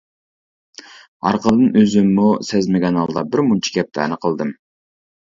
ئارقىدىن ئۆزۈممۇ سەزمىگەن ھالدا بىر مۇنچە گەپلەرنى قىلدىم.